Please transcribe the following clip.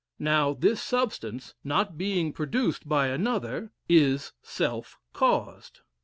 Now, this substance, not being produced by another, is self caused.